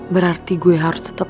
berarti gue harus tetap